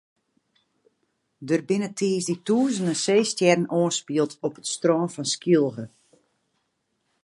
Der binne tiisdei tûzenen seestjerren oanspield op it strân fan Skylge.